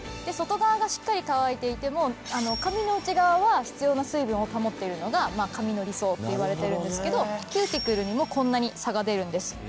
外側がしっかり乾いていても髪の内側は必要な水分を保っているのが髪の理想っていわれてるんですけどキューティクルにもこんなに差が出るんです。